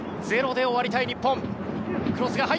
ゼロで終わりたい日本。